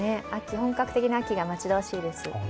本格的な秋が待ち遠しいです。